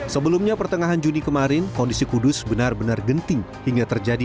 sebelumnya pertengahan juni kemarin kondisi kudus benar benar genting hingga terjadi